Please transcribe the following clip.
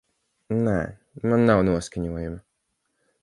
Nē, man nav noskaņojuma.